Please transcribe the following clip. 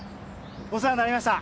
お世話になりました。